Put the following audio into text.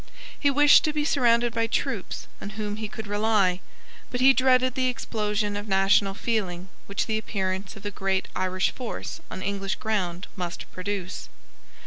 He wished to be surrounded by troops on whom he could rely: but he dreaded the explosion of national feeling which the appearance of a great Irish force on English ground must produce.